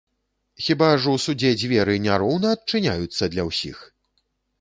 Хіба ж у судзе дзверы не роўна адчыняюцца для ўсіх?